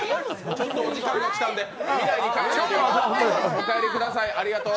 ちょっとお時間が来たんで、お帰りください。